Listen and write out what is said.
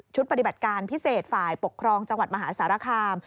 ปฏิบัติการพิเศษฝ่ายปกครองจังหวัดมหาสารคาม